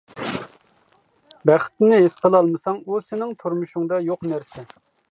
بەختنى ھېس قىلالمىساڭ ئۇ سېنىڭ تۇرمۇشۇڭدا يوق نەرسە.